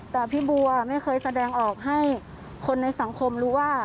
แต่พี่บัวไม่เคยแสดงออกให้คนในสังคมรู้ว่า